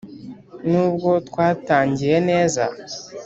Nubwo twatangiye neza